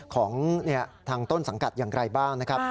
ของทางต้นสังกัดอย่างไรบ้างนะครับ